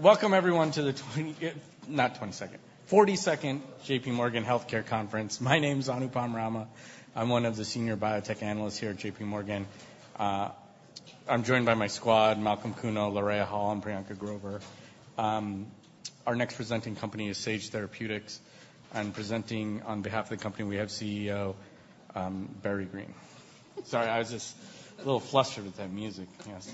Welcome everyone to the 20-- not 22nd, 42nd J.P. Morgan Healthcare Conference. My name is Anupam Rama. I'm one of the senior biotech analysts here at J.P. Morgan. I'm joined by my squad, Malcolm Kuno, LaRhea Hall, and Priyanka Grover. Our next presenting company is Sage Therapeutics, and presenting on behalf of the company, we have CEO, Barry Greene. Sorry, I was just a little flustered with that music. Yes,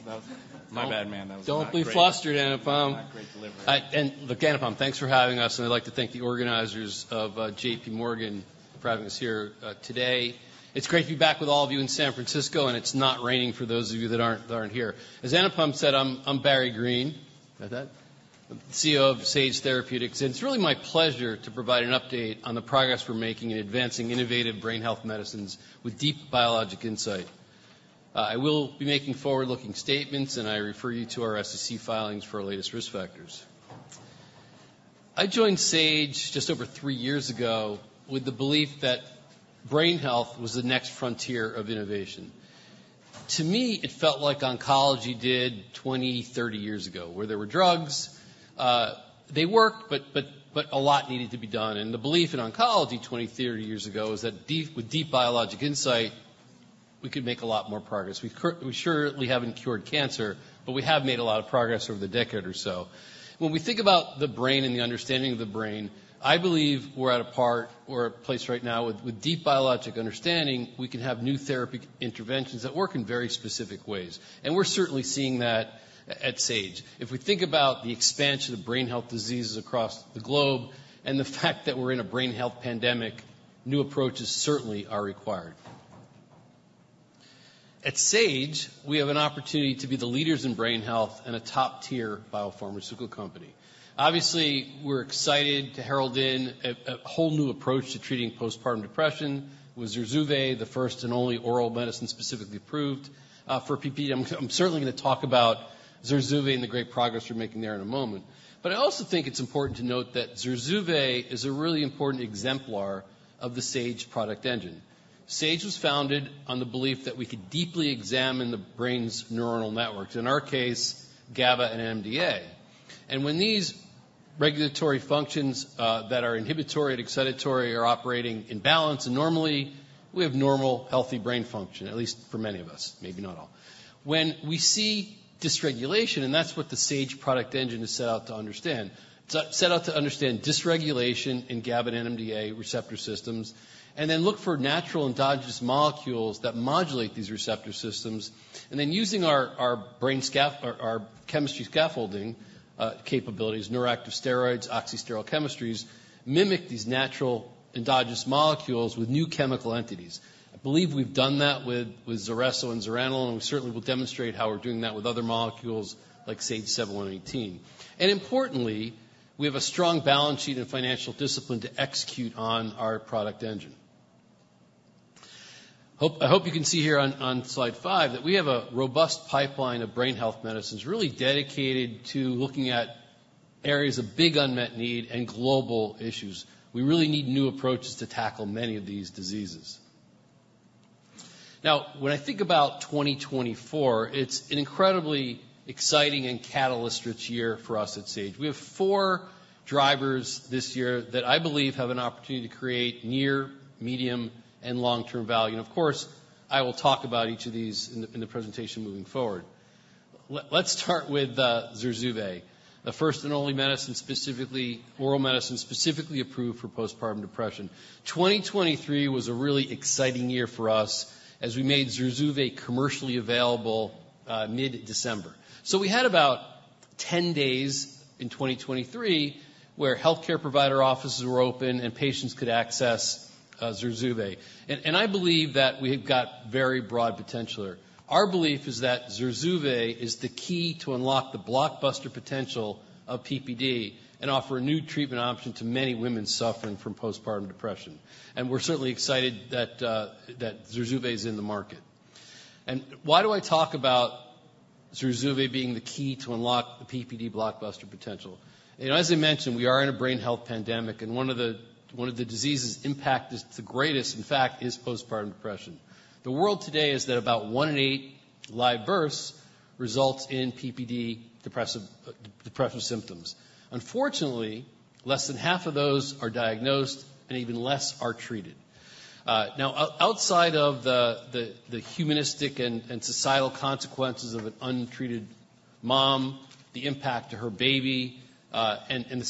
my bad, man. Don't be flustered, Anupam. Not great delivery. And look, Anupam, thanks for having us, and I'd like to thank the organizers of J.P. Morgan for having us here today. It's great to be back with all of you in San Francisco, and it's not raining for those of you that aren't, that aren't here. As Anupam said, I'm Barry Greene. Got that? The CEO of Sage Therapeutics, and it's really my pleasure to provide an update on the progress we're making in advancing innovative brain health medicines with deep biologic insight. I will be making forward-looking statements, and I refer you to our SEC filings for our latest risk factors. I joined Sage just over three years ago with the belief that brain health was the next frontier of innovation. To me, it felt like oncology did 20, 30 years ago, where there were drugs. They worked, but a lot needed to be done, and the belief in oncology 20, 30 years ago is that deep, with deep biologic insight, we could make a lot more progress. We surely haven't cured cancer, but we have made a lot of progress over the decade or so. When we think about the brain and the understanding of the brain, I believe we're at a part or a place right now with deep biologic understanding, we can have new therapy interventions that work in very specific ways, and we're certainly seeing that at Sage. If we think about the expansion of brain health diseases across the globe and the fact that we're in a brain health pandemic, new approaches certainly are required. At Sage, we have an opportunity to be the leaders in brain health and a top-tier biopharmaceutical company. Obviously, we're excited to herald in a whole new approach to treating postpartum depression with Zurzuvae, the first and only oral medicine specifically approved for PPD. I'm certainly going to talk about Zurzuvae and the great progress we're making there in a moment. But I also think it's important to note that Zurzuvae is a really important exemplar of the Sage product engine. Sage was founded on the belief that we could deeply examine the brain's neuronal networks, in our case, GABA and NMDA. And when these regulatory functions that are inhibitory and excitatory are operating in balance, and normally we have normal, healthy brain function, at least for many of us, maybe not all. When we see dysregulation, and that's what the Sage product engine is set out to understand. Set out to understand dysregulation in GABA and NMDA receptor systems, and then look for natural endogenous molecules that modulate these receptor systems, and then using our brain scaffolding, our chemistry scaffolding capabilities, neuroactive steroids, oxysterol chemistries, mimic these natural endogenous molecules with new chemical entities. I believe we've done that with Zulresso and zuranolone, and we certainly will demonstrate how we're doing that with other molecules like SAGE-718. And importantly, we have a strong balance sheet and financial discipline to execute on our product engine. I hope you can see here on slide 5 that we have a robust pipeline of brain health medicines really dedicated to looking at areas of big unmet need and global issues. We really need new approaches to tackle many of these diseases. Now, when I think about 2024, it's an incredibly exciting and catalyst-rich year for us at Sage. We have 4 drivers this year that I believe have an opportunity to create near, medium, and long-term value, and of course, I will talk about each of these in the presentation moving forward. Let's start with Zurzuvae, the first and only medicine, specifically oral medicine, specifically approved for postpartum depression. 2023 was a really exciting year for us as we made Zurzuvae commercially available mid-December. So we had about 10 days in 2023 where healthcare provider offices were open and patients could access Zurzuvae. And I believe that we have got very broad potential there. Our belief is that Zurzuvae is the key to unlock the blockbuster potential of PPD and offer a new treatment option to many women suffering from postpartum depression. We're certainly excited that Zurzuvae is in the market. Why do I talk about Zurzuvae being the key to unlock the PPD blockbuster potential? You know, as I mentioned, we are in a brain health pandemic, and one of the diseases impact is the greatest, in fact, is postpartum depression. The world today is that about one in eight live births results in PPD depressive, depression symptoms. Unfortunately, less than half of those are diagnosed and even less are treated. Now, outside of the humanistic and societal consequences of an untreated mom, the impact to her baby, and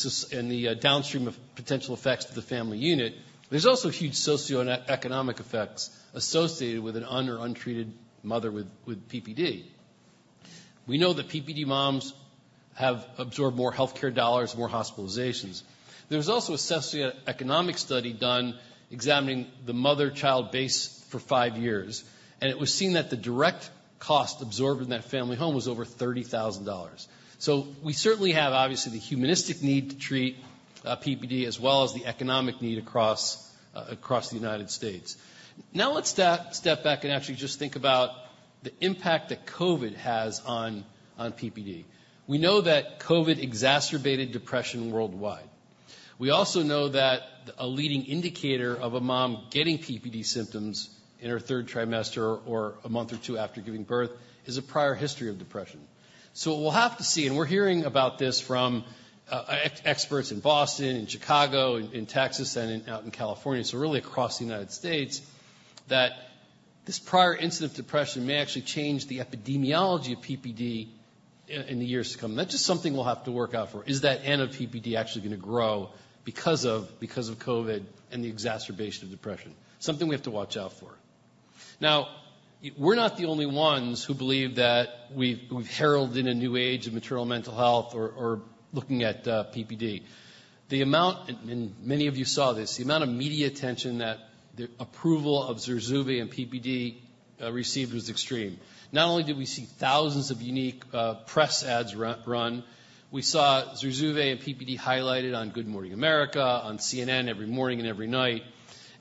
the downstream of potential effects to the family unit, there's also huge socioeconomic effects associated with an untreated mother with PPD. We know that PPD moms have absorbed more healthcare dollars, more hospitalizations. There was also a socioeconomic study done examining the mother-child base for five years, and it was seen that the direct cost absorbed in that family home was over $30,000. So we certainly have, obviously, the humanistic need to treat PPD as well as the economic need across the United States. Now, let's step back and actually just think about the impact that COVID has on PPD. We know that COVID exacerbated depression worldwide.... We also know that a leading indicator of a mom getting PPD symptoms in her third trimester or a month or two after giving birth is a prior history of depression. So we'll have to see, and we're hearing about this from experts in Boston, in Chicago, in Texas, and in California, so really across the United States, that this prior incidence of depression may actually change the epidemiology of PPD in the years to come. That's just something we'll have to work out for. Is that incidence of PPD actually gonna grow because of COVID and the exacerbation of depression? Something we have to watch out for. Now, we're not the only ones who believe that we've heralded in a new age of maternal mental health or looking at PPD. Many of you saw this, the amount of media attention that the approval of Zurzuvae and PPD received was extreme. Not only did we see thousands of unique press ads run, we saw Zurzuvae and PPD highlighted on Good Morning America, on CNN every morning and every night.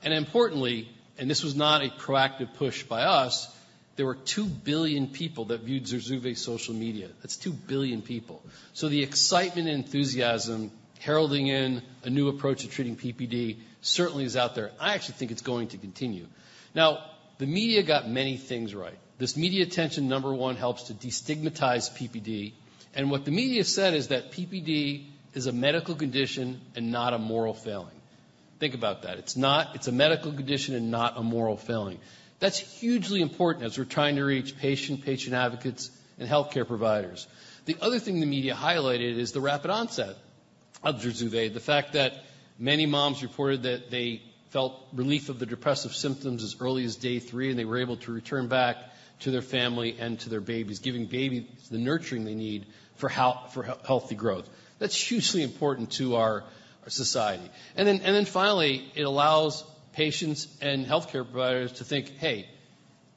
And importantly, this was not a proactive push by us, there were 2,000,000,000 people that viewed Zurzuvae's social media. That's 2,000,000,000 people. So the excitement and enthusiasm heralding in a new approach to treating PPD certainly is out there. I actually think it's going to continue. Now, the media got many things right. This media attention, number one, helps to destigmatize PPD, and what the media said is that PPD is a medical condition and not a moral failing. Think about that. It's not. It's a medical condition and not a moral failing. That's hugely important as we're trying to reach patients, patient advocates, and healthcare providers. The other thing the media highlighted is the rapid onset of Zurzuvae. The fact that many moms reported that they felt relief of the depressive symptoms as early as day three, and they were able to return back to their family and to their babies, giving babies the nurturing they need for healthy growth. That's hugely important to our society. And then finally, it allows patients and healthcare providers to think, "Hey,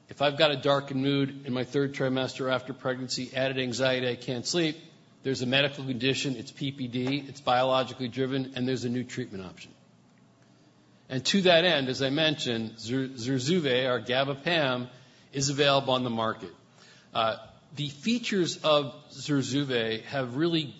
if I've got a darkened mood in my third trimester after pregnancy, added anxiety, I can't sleep, there's a medical condition, it's PPD, it's biologically driven, and there's a new treatment option." And to that end, as I mentioned, Zurzuvae, our GABA PAM, is available on the market. The features of Zurzuvae have really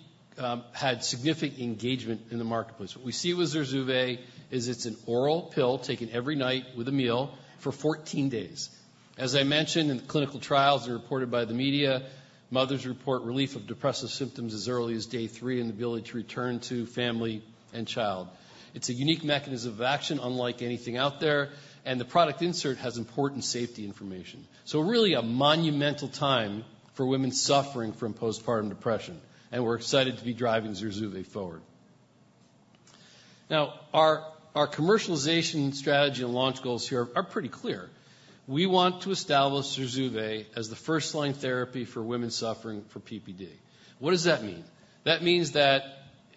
had significant engagement in the marketplace. What we see with Zurzuvae is it's an oral pill, taken every night with a meal for 14 days. As I mentioned in the clinical trials and reported by the media, mothers report relief of depressive symptoms as early as day 3 and the ability to return to family and child. It's a unique mechanism of action, unlike anything out there, and the product insert has important safety information. So really a monumental time for women suffering from postpartum depression, and we're excited to be driving Zurzuvae forward. Now, our commercialization strategy and launch goals here are pretty clear. We want to establish Zurzuvae as the first-line therapy for women suffering from PPD. What does that mean? That means that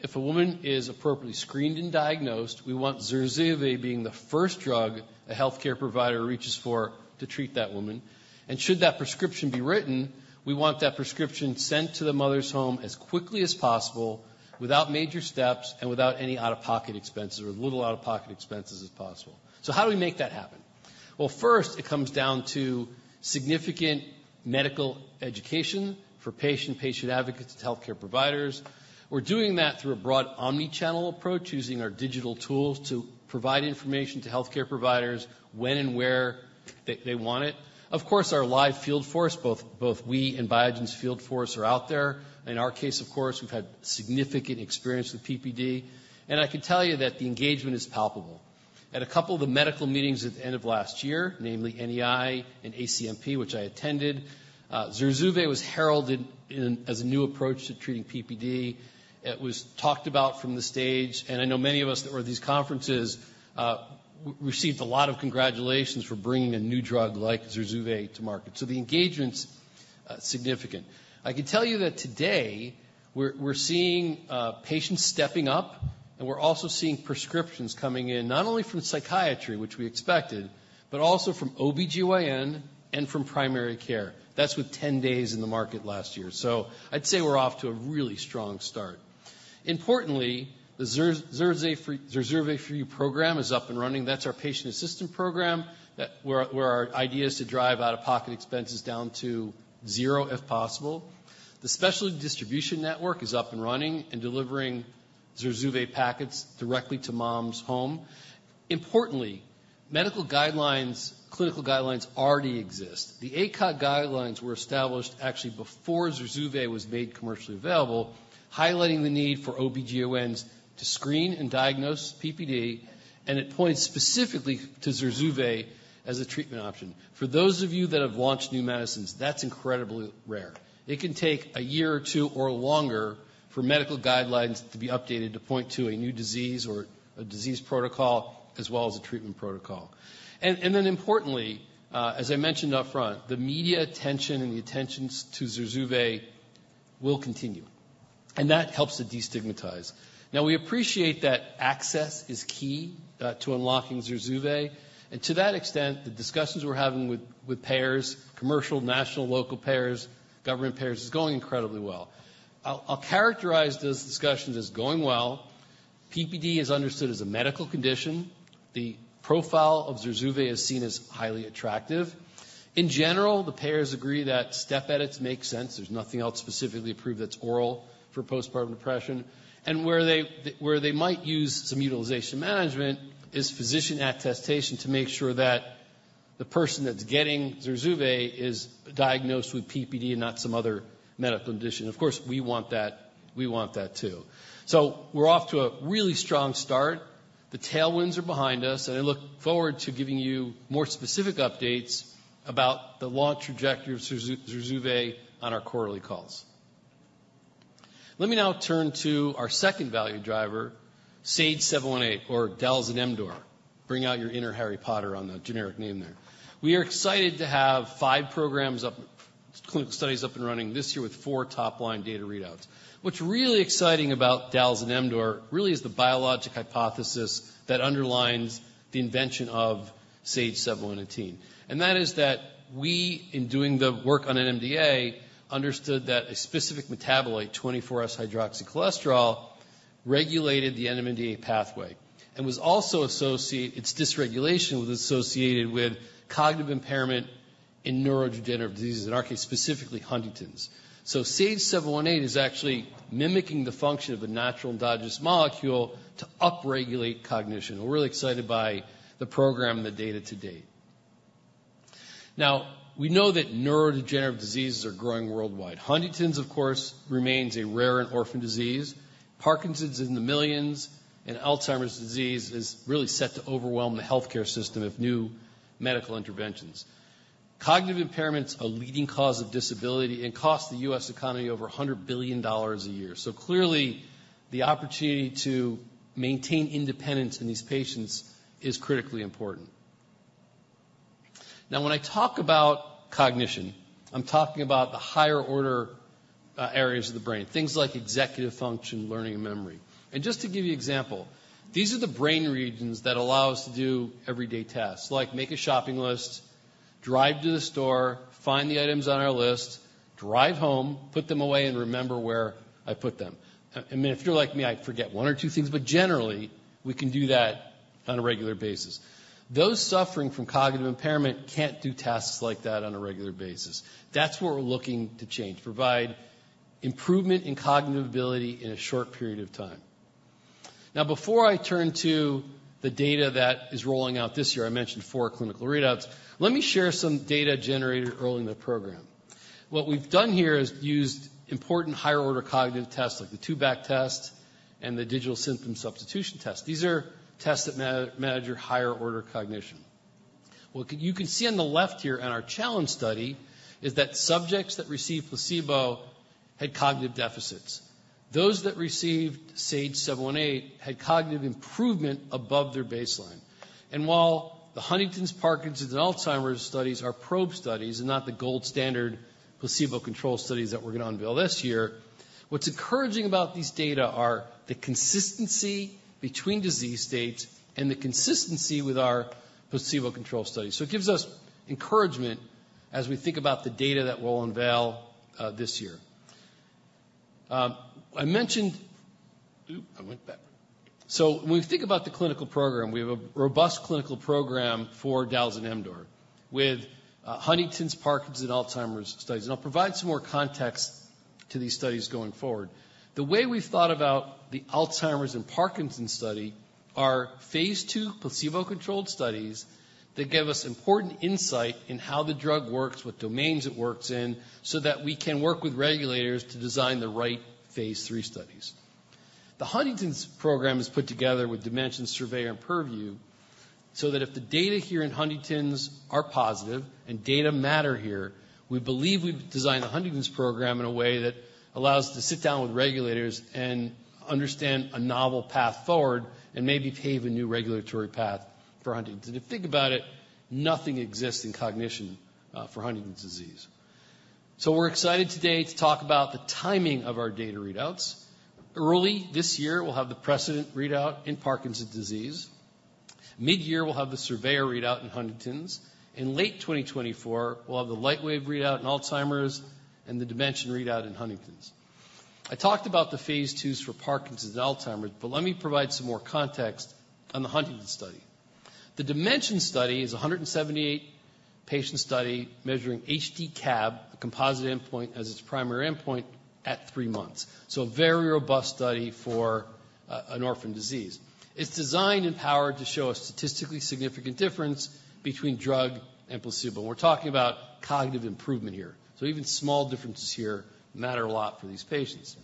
if a woman is appropriately screened and diagnosed, we want Zurzuvae being the first drug a healthcare provider reaches for to treat that woman. Should that prescription be written, we want that prescription sent to the mother's home as quickly as possible, without major steps and without any out-of-pocket expenses or as little out-of-pocket expenses as possible. How do we make that happen? Well, first, it comes down to significant medical education for patient, patient advocates, to healthcare providers. We're doing that through a broad omni-channel approach, using our digital tools to provide information to healthcare providers when and where they, they want it. Of course, our live field force, both, both we and Biogen's field force, are out there. In our case, of course, we've had significant experience with PPD, and I can tell you that the engagement is palpable. At a couple of the medical meetings at the end of last year, namely NEI and ACNP, which I attended, Zurzuvae was heralded in as a new approach to treating PPD. It was talked about from the stage, and I know many of us that were at these conferences received a lot of congratulations for bringing a new drug like Zurzuvae to market. So the engagement's significant. I can tell you that today, we're seeing patients stepping up, and we're also seeing prescriptions coming in, not only from psychiatry, which we expected, but also from OBGYN and from primary care. That's with 10 days in the market last year. So I'd say we're off to a really strong start. Importantly, the Zurzuvae for You program is up and running. That's our patient assistance program, where our idea is to drive out-of-pocket expenses down to zero, if possible. The specialty distribution network is up and running and delivering Zurzuvae packets directly to moms' home. Importantly, medical guidelines, clinical guidelines already exist. The ACOG guidelines were established actually before Zurzuvae was made commercially available, highlighting the need for OBGYNs to screen and diagnose PPD, and it points specifically to Zurzuvae as a treatment option. For those of you that have launched new medicines, that's incredibly rare. It can take a year or two or longer for medical guidelines to be updated to point to a new disease or a disease protocol, as well as a treatment protocol. Then importantly, as I mentioned upfront, the media attention and the attention to Zurzuvae will continue, and that helps to destigmatize. Now, we appreciate that access is key to unlocking Zurzuvae, and to that extent, the discussions we're having with payers, commercial, national, local payers, government payers, is going incredibly well. I'll characterize those discussions as going well. PPD is understood as a medical condition. The profile of Zurzuvae is seen as highly attractive. In general, the payers agree that step edits make sense. There's nothing else specifically approved that's oral for postpartum depression. And where they might use some utilization management is physician attestation to make sure that the person that's getting Zurzuvae is diagnosed with PPD and not some other medical condition. Of course, we want that, we want that, too. So we're off to a really strong start. The tailwinds are behind us, and I look forward to giving you more specific updates about the launch trajectory of Zurzuvae on our quarterly calls. Let me now turn to our second value driver, SAGE-718, or dalzanemdor. Bring out your inner Harry Potter on the generic name there. We are excited to have 5 programs up, clinical studies up and running this year with 4 top-line data readouts. What's really exciting about dalzanemdor really is the biologic hypothesis that underlines the invention of SAGE-718. And that is that we, in doing the work on NMDA, understood that a specific metabolite, 24S-hydroxycholesterol, regulated the NMDA pathway and was also associate-- its dysregulation was associated with cognitive impairment in neurodegenerative diseases, in our case, specifically Huntington's. So SAGE-718 is actually mimicking the function of a natural endogenous molecule to upregulate cognition. We're really excited by the program and the data to date. Now, we know that neurodegenerative diseases are growing worldwide. Huntington's, of course, remains a rare and orphan disease. Parkinson's is in the millions, and Alzheimer's disease is really set to overwhelm the healthcare system if new medical interventions. Cognitive impairment's a leading cause of disability and costs the U.S. economy over $100,000,000,000 a year. So clearly, the opportunity to maintain independence in these patients is critically important. Now, when I talk about cognition, I'm talking about the higher-order areas of the brain, things like executive function, learning, and memory. Just to give you example, these are the brain regions that allow us to do everyday tasks, like make a shopping list, drive to the store, find the items on our list, drive home, put them away, and remember where I put them. I mean, if you're like me, I forget one or two things, but generally, we can do that on a regular basis. Those suffering from cognitive impairment can't do tasks like that on a regular basis. That's what we're looking to change, provide improvement in cognitive ability in a short period of time. Now, before I turn to the data that is rolling out this year, I mentioned four clinical readouts, let me share some data generated early in the program. What we've done here is used important higher-order cognitive tests like the two-back test and the Digit Symbol Substitution Test. These are tests that measure higher-order cognition. What you can see on the left here in our challenge study is that subjects that received placebo had cognitive deficits. Those that received SAGE-718 had cognitive improvement above their baseline. While the Huntington's, Parkinson's, and Alzheimer's studies are probe studies and not the gold standard placebo-controlled studies that we're gonna unveil this year, what's encouraging about these data are the consistency between disease states and the consistency with our placebo-controlled study. So it gives us encouragement as we think about the data that we'll unveil this year. So when we think about the clinical program, we have a robust clinical program for dalzanemdor, with Huntington's, Parkinson's, and Alzheimer's studies. I'll provide some more context to these studies going forward. The way we've thought about the Alzheimer's and Parkinson's study are phase II placebo-controlled studies that give us important insight in how the drug works, what domains it works in, so that we can work with regulators to design the right phase III studies. The Huntington's program is put together with DIMENSION, SURVEYOR, and PURVIEW so that if the data here in Huntington's are positive—and data matter here—we believe we've designed the Huntington's program in a way that allows us to sit down with regulators and understand a novel path forward and maybe pave a new regulatory path for Huntington's. If you think about it, nothing exists in cognition for Huntington's disease. We're excited today to talk about the timing of our data readouts. Early this year, we'll have the PRECEDENT readout in Parkinson's disease. Midyear, we'll have the SURVEYOR readout in Huntington's. In late 2024, we'll have the LIGHTWAVE readout in Alzheimer's and the DIMENSION readout in Huntington's. I talked about the phase II for Parkinson's and Alzheimer's, but let me provide some more context on the Huntington's study. The DIMENSION study is a 178-patient study measuring HD-CAB, a composite endpoint, as its primary endpoint at three months. So a very robust study for an orphan disease. It's designed and powered to show a statistically significant difference between drug and placebo. We're talking about cognitive improvement here, so even small differences here matter a lot for these patients.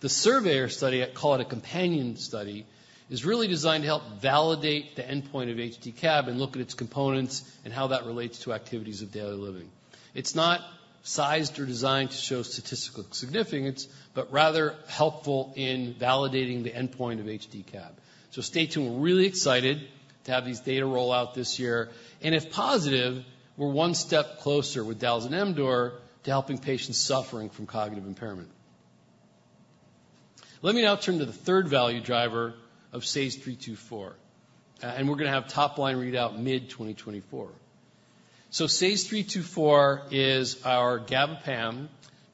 The SURVEYOR study, I call it a companion study, is really designed to help validate the endpoint of HD-CAB and look at its components and how that relates to activities of daily living. It's not sized or designed to show statistical significance, but rather helpful in validating the endpoint of HD-CAB. So stay tuned. We're really excited to have these data roll out this year, and if positive, we're one step closer with dalzanemdor to helping patients suffering from cognitive impairment. Let me now turn to the third value driver of SAGE-324, and we're gonna have top-line readout mid-2024. So SAGE-324 is our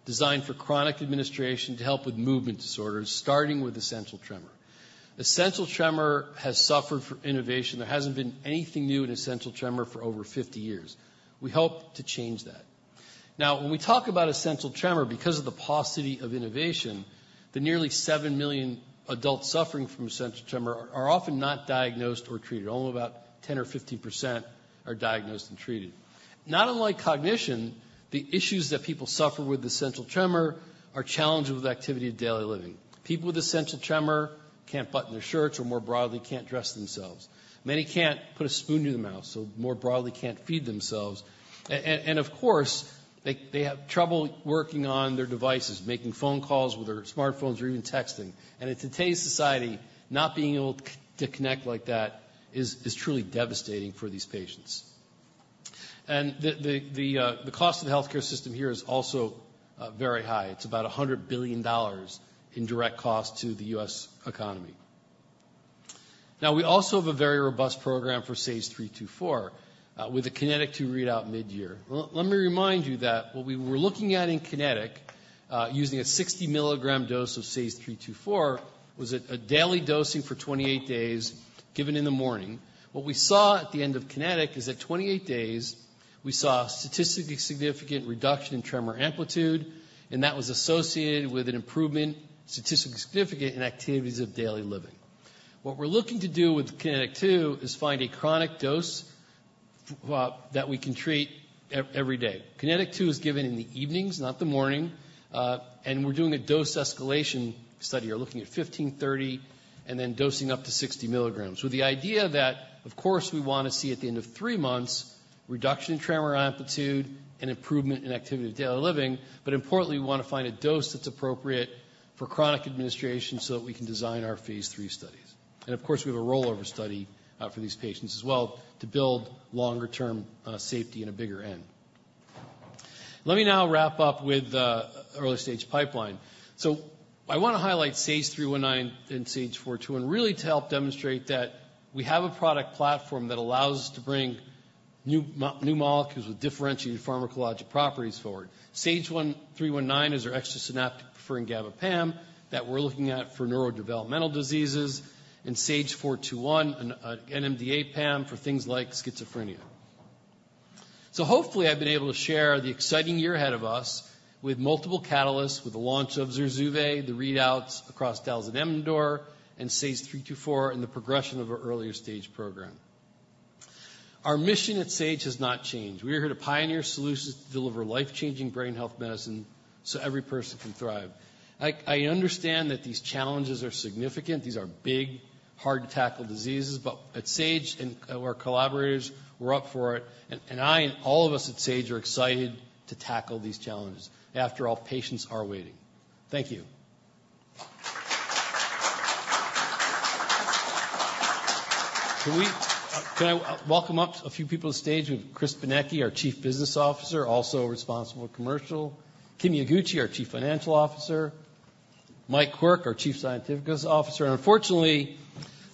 designed for chronic administration to help with movement disorders, starting with essential tremor. Essential tremor has suffered from innovation. There hasn't been anything new in essential tremor for over 50 years. We hope to change that. Now, when we talk about essential tremor, because of the paucity of innovation, the nearly 7,000,000 adults suffering from essential tremor are often not diagnosed or treated. Only about 10%-15% are diagnosed and treated. Not unlike cognition, the issues that people suffer with essential tremor are challenged with activity of daily living. People with essential tremor can't button their shirts, or more broadly, can't dress themselves. Many can't put a spoon to their mouth, so more broadly, can't feed themselves. And, of course, they have trouble working on their devices, making phone calls with their smartphones or even texting. And in today's society, not being able to connect like that is truly devastating for these patients. And the cost of the healthcare system here is also very high. It's about $100,000,000,000 in direct cost to the U.S. economy. Now, we also have a very robust program for SAGE-324, with a KINETIC 2 readout mid-year. Well, let me remind you that what we were looking at in KINETIC, using a 60 mg dose of SAGE-324, was at a daily dosing for 28 days, given in the morning. What we saw at the end of KINETIC is at 28 days, we saw a statistically significant reduction in tremor amplitude, and that was associated with an improvement, statistically significant, in activities of daily living. What we're looking to do with KINETIC 2 is find a chronic dose that we can treat every day. KINETIC 2 is given in the evenings, not the morning, and we're doing a dose escalation study. We're looking at 15, 30, and then dosing up to 60 milligrams, with the idea that, of course, we want to see at the end of 3 months, reduction in tremor amplitude and improvement in activity of daily living. But importantly, we want to find a dose that's appropriate for chronic administration so that we can design our phase 3 studies. Of course, we have a rollover study for these patients as well to build longer-term safety and a bigger end. Let me now wrap up with the early-stage pipeline. I want to highlight SAGE-319 and SAGE-421, really to help demonstrate that we have a product platform that allows us to bring new molecules with differentiated pharmacologic properties forward. SAGE-319 is our extrasynaptic preferring GABA PAM that we're looking at for neurodevelopmental diseases, and SAGE-421, an NMDA PAM for things like schizophrenia. Hopefully, I've been able to share the exciting year ahead of us with multiple catalysts, with the launch of Zurzuvae, the readouts across dalzanemdor, and SAGE-324, and the progression of our earlier stage program. Our mission at Sage has not changed. We are here to pioneer solutions to deliver life-changing brain health medicine so every person can thrive. I understand that these challenges are significant. These are big, hard-to-tackle diseases, but at Sage and our collaborators, we're up for it, and I and all of us at Sage are excited to tackle these challenges. After all, patients are waiting. Thank you. Can I welcome up a few people on stage? We have Chris Benecchi, our Chief Business Officer, also responsible for commercial. Kimi Iguchi, our Chief Financial Officer. Mike Quirk, our Chief Scientific Officer. And unfortunately,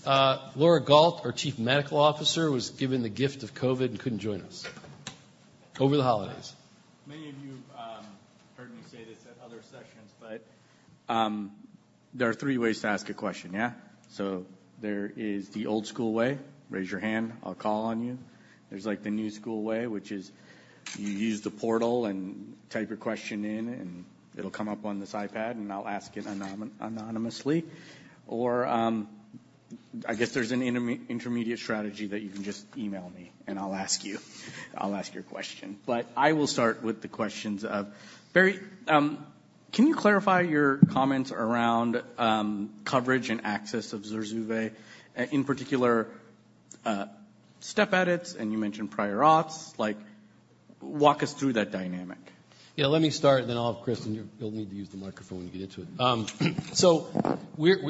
Laura Gault, our Chief Medical Officer, was given the gift of COVID and couldn't join us over the holidays. Many of you heard me say this at other sessions, but there are three ways to ask a question, yeah? So there is the old school way: raise your hand, I'll call on you. There's, like, the new school way, which is you use the portal and type your question in, and it'll come up on this iPad, and I'll ask it anonymously. Or, I guess there's an intermediate strategy that you can just email me, and I'll ask you, I'll ask your question. But I will start with the questions of: Barry, can you clarify your comments around coverage and access of Zurzuvae, in particular step edits, and you mentioned prior auths, like, walk us through that dynamic. Yeah, let me start, and then I'll have Chris, and you'll need to use the microphone when you get to it. So we're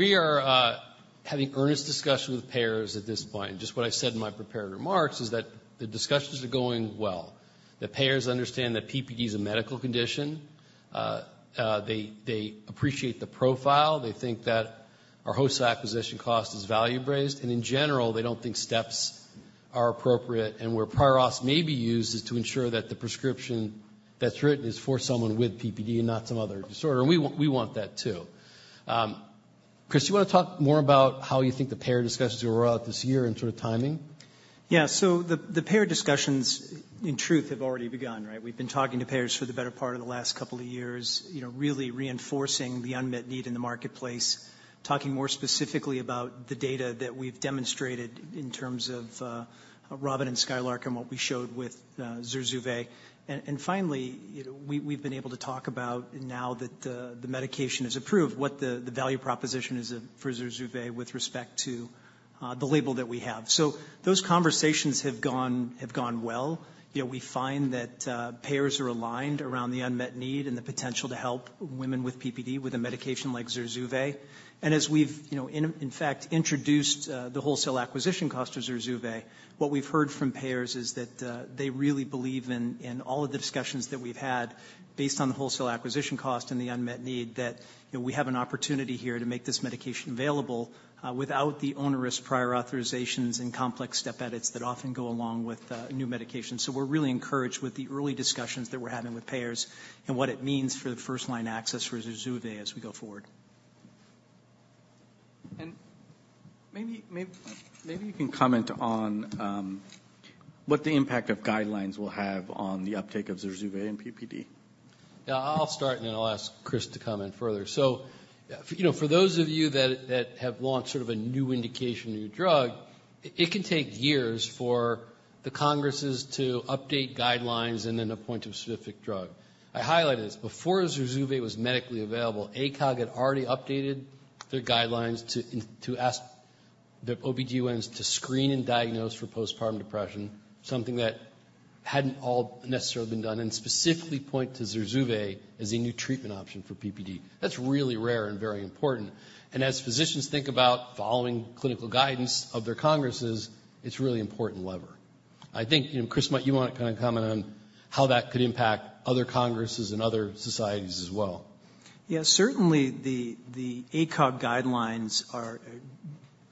having earnest discussion with payers at this point. Just what I said in my prepared remarks is that the discussions are going well. The payers understand that PPD is a medical condition. They appreciate the profile. They think that our Wholesale Acquisition Cost is value-based, and in general, they don't think steps are appropriate. And where prior auths may be used is to ensure that the prescription that's written is for someone with PPD and not some other disorder. And we want that too. Chris, you wanna talk more about how you think the payer discussions will roll out this year and sort of timing? Yeah. So the payer discussions, in truth, have already begun, right? We've been talking to payers for the better part of the last couple of years, you know, really reinforcing the unmet need in the marketplace. Talking more specifically about the data that we've demonstrated in terms of ROBIN and SKYLARK and what we showed with Zurzuvae. And finally, you know, we've been able to talk about, now that the medication is approved, what the value proposition is for Zurzuvaewith respect to the label that we have. So those conversations have gone well. You know, we find that payers are aligned around the unmet need and the potential to help women with PPD with a medication like Zurzuvae. As we've, you know, in fact, introduced the Wholesale Acquisition Cost of Zurzuvae, what we've heard from payers is that they really believe in all of the discussions that we've had based on the Wholesale Acquisition Cost and the unmet need, that, you know, we have an opportunity here to make this medication available without the onerous prior authorizations and complex step edits that often go along with new medications. So we're really encouraged with the early discussions that we're having with payers and what it means for the first-line access for Zurzuvae as we go forward. ... And maybe you can comment on what the impact of guidelines will have on the uptake of Zurzuvae and PPD? Yeah, I'll start, and then I'll ask Chris to comment further. So, you know, for those of you that have launched sort of a new indication, a new drug, it can take years for the congresses to update guidelines and then appoint a specific drug. I highlighted this. Before Zurzuvae was medically available, ACOG had already updated their guidelines to ask the OBGYNs to screen and diagnose for postpartum depression, something that hadn't all necessarily been done, and specifically point to Zurzuvae as a new treatment option for PPD. That's really rare and very important. And as physicians think about following clinical guidance of their congresses, it's a really important lever. I think, you know, Chris, might you want to kind of comment on how that could impact other congresses and other societies as well? Yeah, certainly the ACOG guidelines are,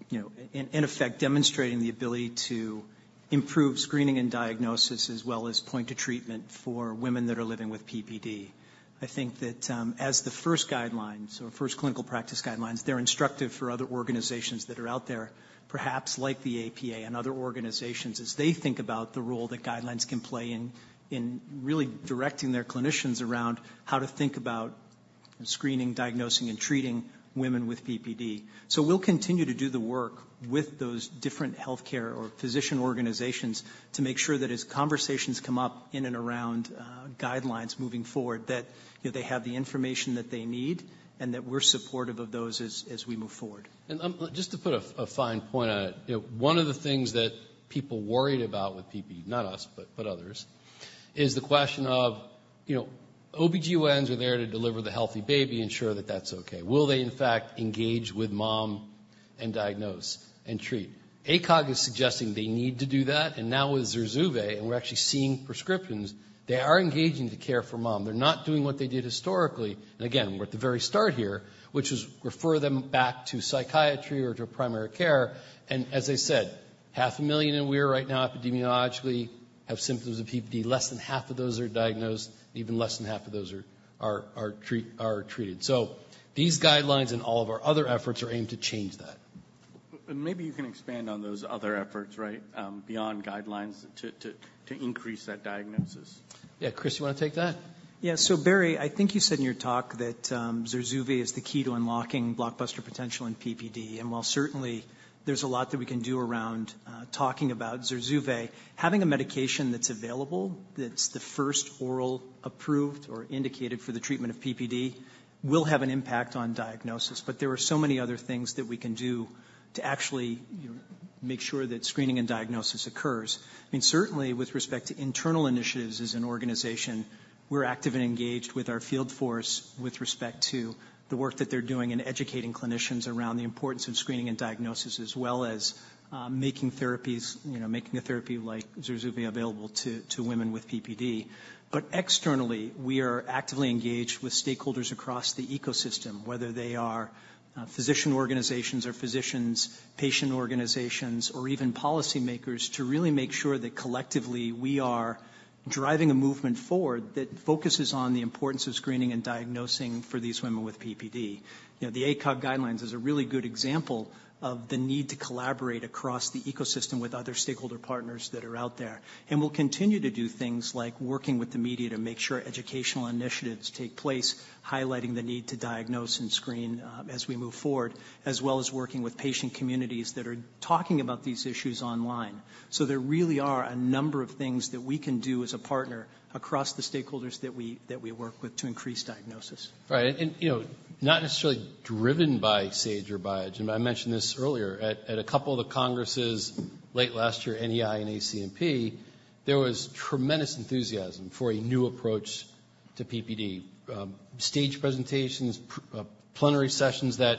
you know, in effect, demonstrating the ability to improve screening and diagnosis, as well as point to treatment for women that are living with PPD. I think that as the first guidelines or first clinical practice guidelines, they're instructive for other organizations that are out there, perhaps like the APA and other organizations, as they think about the role that guidelines can play in really directing their clinicians around how to think about screening, diagnosing, and treating women with PPD. So we'll continue to do the work with those different healthcare or physician organizations to make sure that as conversations come up in and around guidelines moving forward, that, you know, they have the information that they need and that we're supportive of those as we move forward. And, just to put a fine point on it, you know, one of the things that people worried about with PP, not us, but others, is the question of, you know, OB-GYNs are there to deliver the healthy baby, ensure that that's okay. Will they, in fact, engage with mom and diagnose and treat? ACOG is suggesting they need to do that, and now with Zurzuvae, and we're actually seeing prescriptions, they are engaging to care for mom. They're not doing what they did historically, and again, we're at the very start here, which is refer them back to psychiatry or to primary care. And as I said, 500,000 a year right now, epidemiologically, have symptoms of PPD. Less than half of those are diagnosed, even less than half of those are treated. These guidelines and all of our other efforts are aimed to change that. Maybe you can expand on those other efforts, right, beyond guidelines to increase that diagnosis. Yeah. Chris, you wanna take that? Yeah. So, Barry, I think you said in your talk that, Zurzuvae is the key to unlocking blockbuster potential in PPD. And while certainly there's a lot that we can do around, talking about Zurzuvae, having a medication that's available, that's the first oral approved or indicated for the treatment of PPD, will have an impact on diagnosis. But there are so many other things that we can do to actually, you know, make sure that screening and diagnosis occurs. And certainly, with respect to internal initiatives as an organization, we're active and engaged with our field force with respect to the work that they're doing in educating clinicians around the importance of screening and diagnosis, as well as, making therapies, you know, making a therapy like Zurzuvae available to, to women with PPD. Externally, we are actively engaged with stakeholders across the ecosystem, whether they are, physician organizations or physicians, patient organizations, or even policymakers, to really make sure that collectively, we are driving a movement forward that focuses on the importance of screening and diagnosing for these women with PPD. You know, the ACOG guidelines is a really good example of the need to collaborate across the ecosystem with other stakeholder partners that are out there. We'll continue to do things like working with the media to make sure educational initiatives take place, highlighting the need to diagnose and screen, as we move forward, as well as working with patient communities that are talking about these issues online. There really are a number of things that we can do as a partner across the stakeholders that we, that we work with to increase diagnosis. Right. And, you know, not necessarily driven by Sage or Biogen, but I mentioned this earlier, at a couple of the congresses late last year, NEI and ACNP, there was tremendous enthusiasm for a new approach to PPD. Stage presentations, plenary sessions that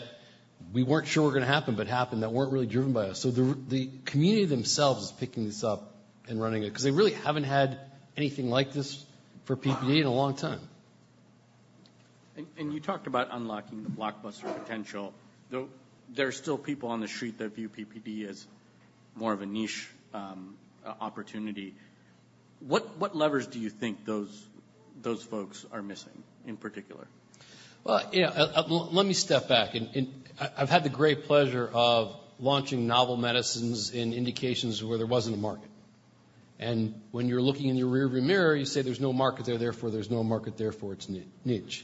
we weren't sure were gonna happen, but happened, that weren't really driven by us. So the community themselves is picking this up and running it, 'cause they really haven't had anything like this for PPD in a long time. And you talked about unlocking the blockbuster potential, though there are still people on the street that view PPD as more of a niche opportunity. What levers do you think those folks are missing in particular? Well, yeah, let me step back, and I’ve had the great pleasure of launching novel medicines in indications where there wasn’t a market. When you’re looking in your rearview mirror, you say there’s no market there, therefore, there’s no market, therefore, it’s niche.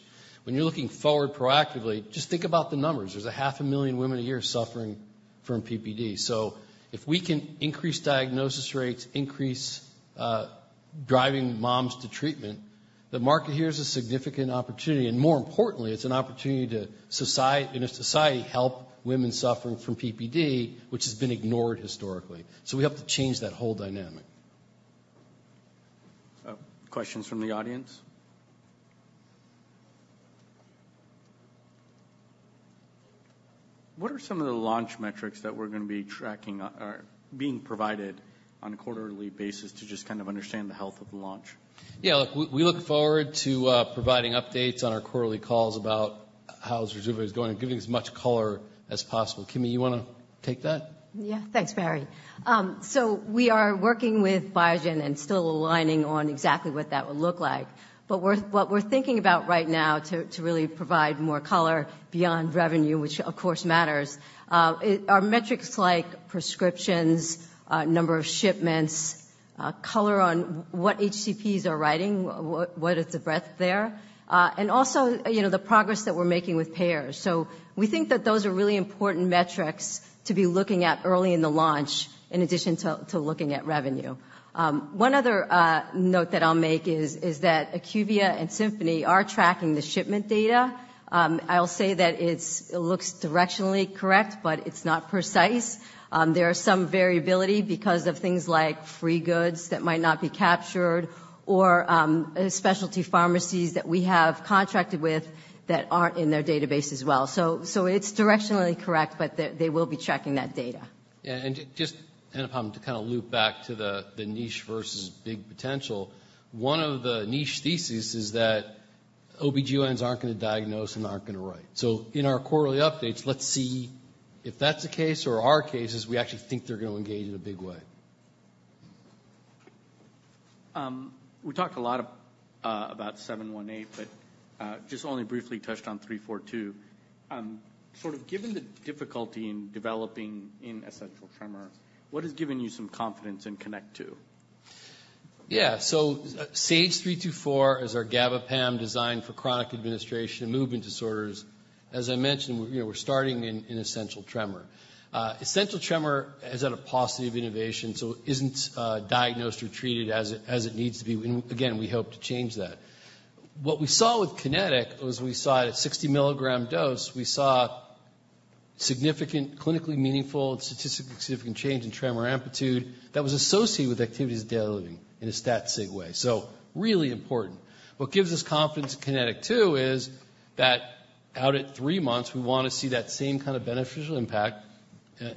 When you’re looking forward proactively, just think about the numbers. There’s 500,000 women a year suffering from PPD. So if we can increase diagnosis rates, increase driving moms to treatment, the market here is a significant opportunity, and more importantly, it’s an opportunity to society in a society, help women suffering from PPD, which has been ignored historically. So we have to change that whole dynamic. Questions from the audience? What are some of the launch metrics that we're gonna be tracking or, or being provided on a quarterly basis to just kind of understand the health of the launch? Yeah, look, we look forward to providing updates on our quarterly calls about how Zurzuvae is going and giving you as much color as possible. Kimi, you wanna?... Take that? Yeah. Thanks, Barry. So we are working with Biogen and still aligning on exactly what that would look like. But we're what we're thinking about right now to really provide more color beyond revenue, which, of course, matters, it are metrics like prescriptions, number of shipments, color on what HCPs are writing, what is the breadth there? And also, you know, the progress that we're making with payers. So we think that those are really important metrics to be looking at early in the launch, in addition to looking at revenue. One other note that I'll make is that IQVIA and Symphony are tracking the shipment data. I'll say that it looks directionally correct, but it's not precise. There are some variability because of things like free goods that might not be captured or, specialty pharmacies that we have contracted with that aren't in their database as well. So, it's directionally correct, but they will be tracking that data. Yeah, and just, Anupam, to kinda loop back to the niche versus big potential, one of the niche theses is that OB-GYNs aren't gonna diagnose and aren't gonna write. So in our quarterly updates, let's see if that's the case or our case is we actually think they're gonna engage in a big way. We talked a lot about SAGE-718, but just only briefly touched on SAGE-324. Sort of given the difficulty in developing in essential tremor, what has given you some confidence in KINETIC 2? Yeah. So, SAGE-324 is our GABA PAM designed for chronic administration and movement disorders. As I mentioned, we're, you know, we're starting in essential tremor. Essential tremor is at a paucity of innovation, so it isn't diagnosed or treated as it needs to be. And again, we hope to change that. What we saw with KINETIC was we saw at a 60-milligram dose, we saw significant, clinically meaningful and statistically significant change in tremor amplitude that was associated with activities of daily living in a stat sig way. So really important. What gives us confidence in KINETIC 2 is that out at 3 months, we wanna see that same kind of beneficial impact,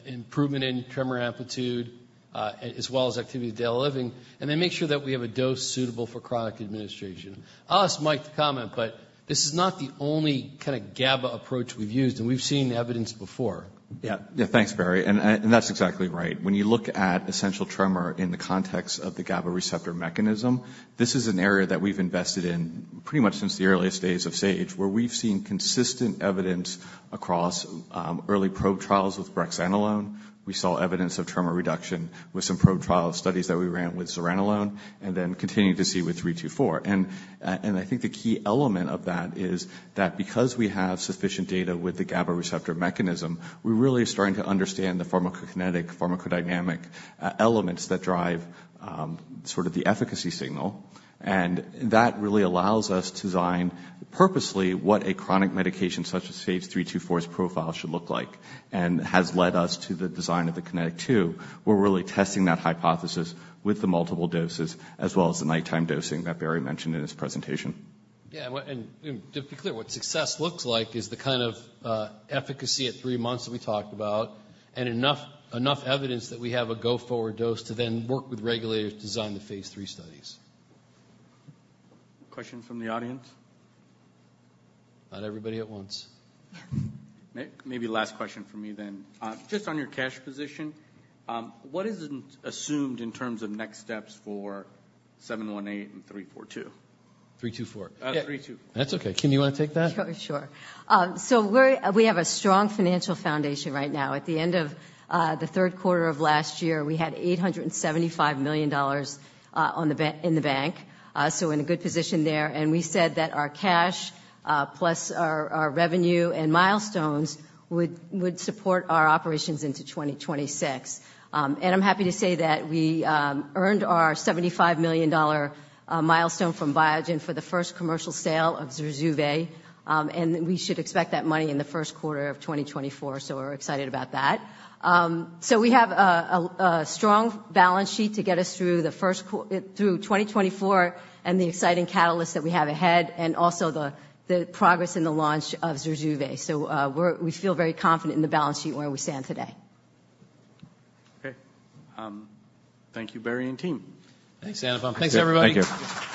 improvement in tremor amplitude, as well as activities of daily living, and then make sure that we have a dose suitable for chronic administration. I'll ask Mike to comment, but this is not the only kind of GABA approach we've used, and we've seen evidence before. Yeah. Yeah, thanks, Barry, and, and that's exactly right. When you look at essential tremor in the context of the GABA receptor mechanism, this is an area that we've invested in pretty much since the earliest days of Sage, where we've seen consistent evidence across early probe trials with brexanolone. We saw evidence of tremor reduction with some probe trial studies that we ran with zuranolone, and then continuing to see with SAGE-324. And I think the key element of that is that because we have sufficient data with the GABA receptor mechanism, we're really starting to understand the pharmacokinetic, pharmacodynamic elements that drive sort of the efficacy signal. And that really allows us to design purposely what a chronic medication such as SAGE-324's profile should look like, and has led us to the design of the KINETIC 2. We're really testing that hypothesis with the multiple doses, as well as the nighttime dosing that Barry mentioned in his presentation. Yeah, well, and to be clear, what success looks like is the kind of efficacy at three months that we talked about, and enough, enough evidence that we have a go-forward dose to then work with regulators to design the Phase III studies. Questions from the audience? Not everybody at once. Maybe last question from me then. Just on your cash position, what is assumed in terms of next steps for 718 and 342? 324. 324. That's okay. Kim, you wanna take that? Sure, sure. We have a strong financial foundation right now. At the end of the third quarter of last year, we had $875,000,000 in the bank, so in a good position there. We said that our cash plus our revenue and milestones would support our operations into 2026. I'm happy to say that we earned our $75,000,000 dollar milestone from Biogen for the first commercial sale of Zurzuvae, and we should expect that money in the first quarter of 2024, so we're excited about that. So we have a strong balance sheet to get us through 2024 and the exciting catalyst that we have ahead and also the progress in the launch of Zurzuvae. We feel very confident in the balance sheet where we stand today. Okay. Thank you, Barry and team. Thanks, Anupam. Thanks, everybody. Thank you.